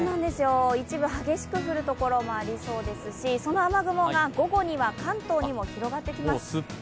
一部、激しく降るところもありそうですし、その雨雲が午後には関東にも広がってきます。